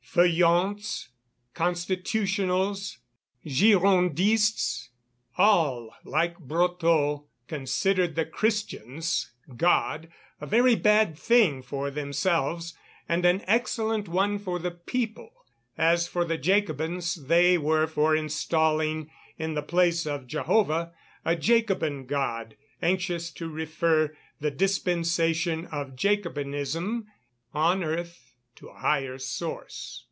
Feuillants, Constitutionals, Girondists, all, like Brotteaux, considered the Christians' God a very bad thing for themselves and an excellent one for the people; as for the Jacobins, they were for installing in the place of Jehovah a Jacobin god, anxious to refer the dispensation of Jacobinism on earth to a higher source.